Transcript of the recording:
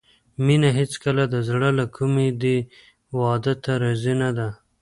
مينه هېڅکله د زړه له کومې دې واده ته راضي نه ده